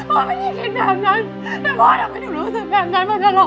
พ่อไม่ได้คิดแบบนั้น